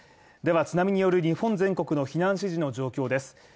では津波による日本全国の避難指示の状況です。